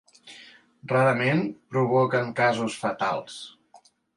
Rarament, provoquen casos fatals.